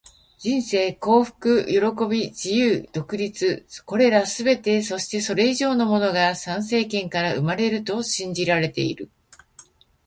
人生、幸福、喜び、自由、独立――これらすべて、そしてそれ以上のものが参政権から生まれると信じられている。